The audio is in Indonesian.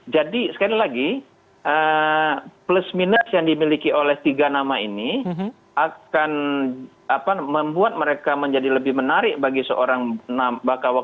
jadi sekali lagi plus minus yang dimiliki oleh tiga nama ini akan membuat mereka menjadi lebih menarik bagi sosok